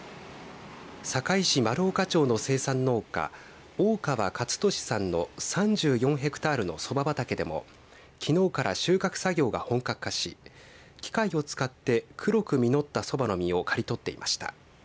坂井市丸岡町の生産農家大川勝利さんの３４ヘクタールのそば畑でも、きのうから収穫作業が本格化し機械を使って黒く実ったそばの実を刈り取っていました。